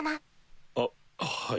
あっはい。